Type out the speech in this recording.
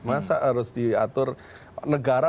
masa harus diatur negara